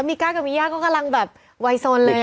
แล้วมีก้าสกับมี่ย่าก็กำลังแบบวัยซนเลย